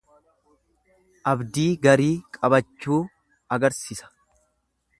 Abdii garii qabachuu agarsisa.